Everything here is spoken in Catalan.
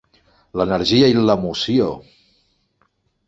L'energia i l'emoció!